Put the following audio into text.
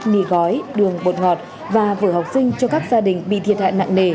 nì gói đường bột ngọt và vừa học sinh cho các gia đình bị thiệt hạn nặng nề